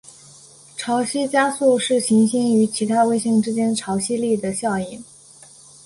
潮汐加速是行星与其卫星之间潮汐力的效应。